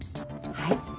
はい。